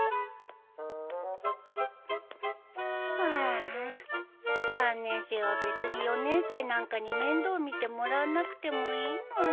ハァ３年生は別に４年生なんかに面倒見てもらわなくてもいいのに。